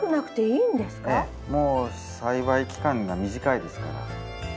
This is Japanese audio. もう栽培期間が短いですから。